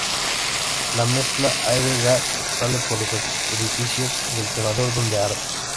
La mezcla aire-gas sale por los orificios del quemador donde arde.